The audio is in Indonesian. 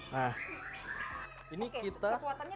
nah ini kita